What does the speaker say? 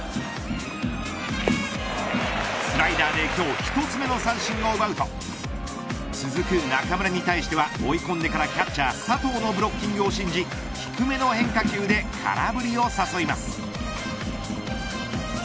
スライダーで、今日１つ目の三振を奪うと続く中村に対しては追い込んでからキャッチャー佐藤のブロッキングを信じ低めの変化球で空振りを誘います。